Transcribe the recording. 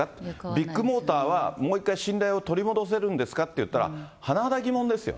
ビッグモーターは、もう一回信頼を取り戻せるんですかっていったら、甚だ疑問ですよね。